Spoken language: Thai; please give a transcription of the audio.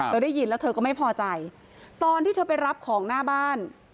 ได้ยินแล้วเธอก็ไม่พอใจตอนที่เธอไปรับของหน้าบ้าน